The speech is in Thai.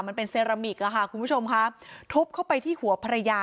มันเป็นเซรามิกอะค่ะคุณผู้ชมค่ะทุบเข้าไปที่หัวภรรยา